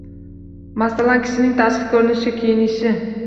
Masalan, kishining tashqi ko‘rinishi, kiyinishi